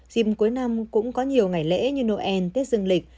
dịp cuối năm cũng có nhiều ngày lễ như noel tết dương lịch